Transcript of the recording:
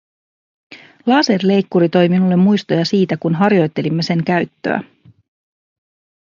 Laserleikkuri toi minulle muistoja siitä, kun harjoittelimme sen käyttöä.